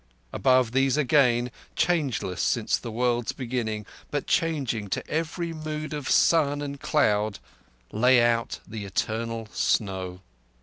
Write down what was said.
Above these again, changeless since the world's beginning, but changing to every mood of sun and cloud, lay out the eternal snow.